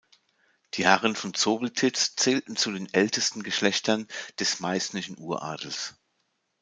Die Herren von Zobeltitz zählten zu den ältesten Geschlechtern des Meißnischen Uradels.